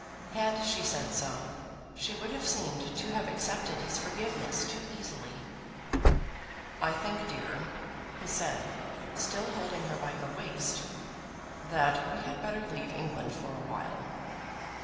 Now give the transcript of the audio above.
Had she said so, she would have seemed to have accepted his forgiveness too easily. "I think, dear," he said, still holding her by her waist, "that we had better leave England for a while.